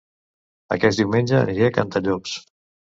Aquest diumenge aniré a Cantallops